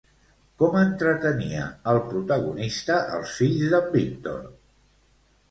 Com entretenia el protagonista els fills d'en Víctor?